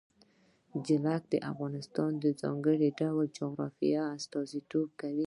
جلګه د افغانستان د ځانګړي ډول جغرافیه استازیتوب کوي.